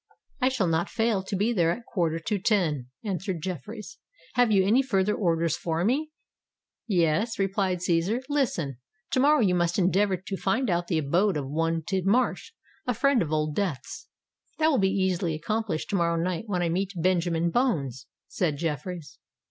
"I shall not fail to be there at a quarter to ten," answered Jeffreys. "Have you any further orders for me?" "Yes," replied Cæsar: "listen! To morrow you must endeavour to find out the abode of one Tidmarsh, a friend of Old Death's." "That will be easily accomplished to morrow night when I meet Benjamin Bones," said Jeffreys.